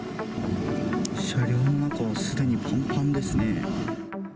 車両の中はすでにぱんぱんですね。